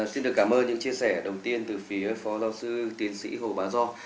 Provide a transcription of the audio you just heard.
xin được cảm ơn những chia sẻ đầu tiên từ phía phó giáo sư tiến sĩ hồ bà do